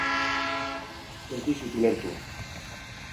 Ez dizut ulertu